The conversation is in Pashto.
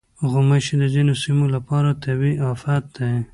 غوماشې د ځینو سیمو لپاره طبعي افت دی.